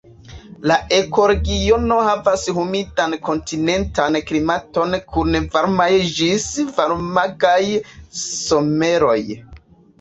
La ekoregiono havas humidan kontinentan klimaton kun varmaj ĝis varmegaj someroj.